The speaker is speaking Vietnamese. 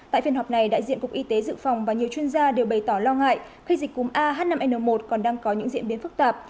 tại phiên họp này đại diện cục y tế dự phòng và nhiều chuyên gia đều bày tỏ lo ngại khi dịch cúm ah năm n một còn đang có những diễn biến phức tạp